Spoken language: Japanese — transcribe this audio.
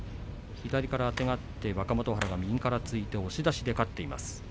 左からあてがって右から突いて押し出しで勝っています。